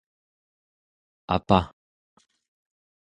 apa